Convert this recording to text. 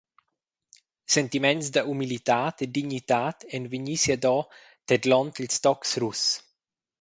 Sentiments da humilitad e dignitad ein vegni siado tedlond ils tocs russ.